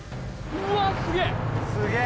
うわすげぇ。